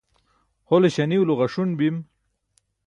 hole śaniulo ġaṣun bim